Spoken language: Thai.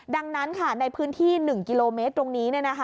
ดังนั้นในพื้นที่๑กิโลเมตรตรงนี้